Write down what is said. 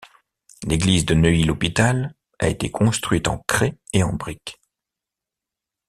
L'église de Neuilly-l'Hôpital a été construite en craie et en brique.